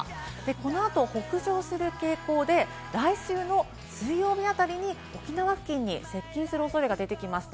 この後、北上する傾向で、来週の水曜日あたりに沖縄付近に接近する恐れが出てきました。